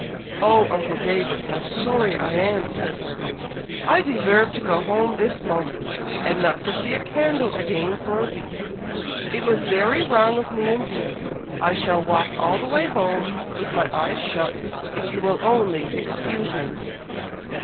"Oh, uncle David! how sorry I am!" said Harry. "I deserve to go home this moment, and not to see a candle again for a week. It was very wrong of me indeed. I shall walk all the way home, with my eyes shut, if you will only excuse me."